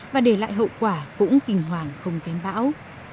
và để lại hậu quả cũng kinh hoàng không kém bão